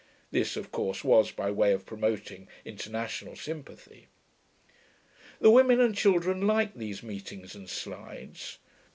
(This, of course, was by way of Promoting International Sympathy.) The women and children liked these meetings and slides.